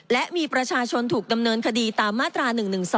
และมีประชาชนถูกดำเนินคดีตามมาตรา๑๑๒